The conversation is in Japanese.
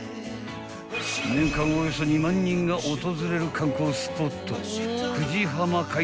［年間およそ２万人が訪れる観光スポット］